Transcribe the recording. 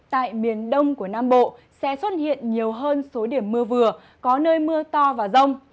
tại miền đông của nam bộ sẽ xuất hiện nhiều hơn số điểm mưa vừa có nơi mưa to và rông